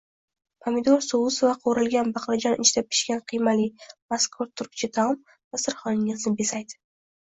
Pomidor sousi va qovurilgan baqlajon ichida pishgan qiymali mazkur turkcha taom dasturxoningizni bezaydi